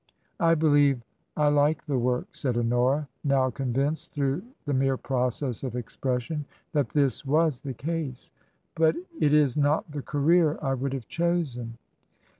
" I believe I like the work," said Honora, now con vinced through the mere process of expression that this TRANSITION. 83 was the case ;" but it is not the career I would have chosen."